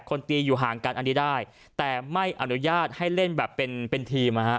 คนตีอยู่ห่างกันอันนี้ได้แต่ไม่อนุญาตให้เล่นแบบเป็นเป็นทีมนะฮะ